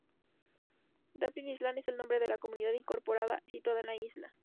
Dauphin Island es el nombre de la comunidad incorporada situada en la isla.